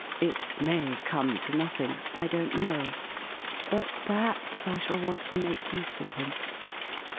It may come to nothing — T don't know ; Jjut perhaps I shall want to make use of him.